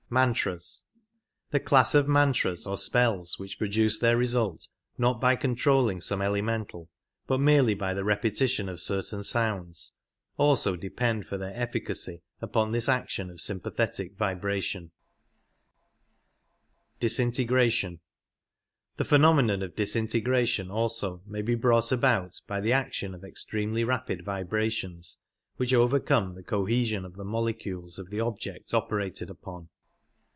The class of mantras or spells which produce their result not by controlling some elemental, but merely by the repetition of certain sounds, also depend ^^^' for their efficacy upon this action of sympathetic vibration. The phenomenon of disintegration also may be brought about by the action of extremely rapid vibra tions, which overcome the cohesion of the mole CTadon cules of the object operated upon.